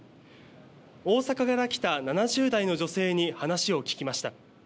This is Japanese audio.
大阪から来た７０代の女性に話を聞きました。